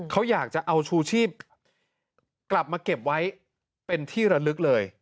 เขาอยากจะเอาชูชีพกลับมาเก็บไว้เป็นที่ระลึกเลย